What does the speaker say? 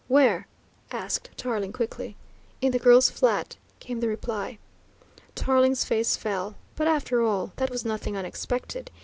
"Where?" asked Tarling quickly. "In the girl's flat," came the reply. Tarling's face fell. But after all, that was nothing unexpected.